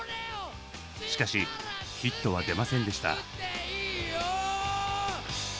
しかしヒットは出ませんでした。